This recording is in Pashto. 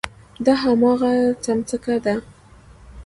دا هماغه څمڅه ده.